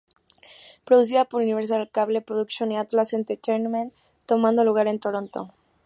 Producida por Universal Cable Productions y Atlas Entertainment, tomando lugar en Toronto.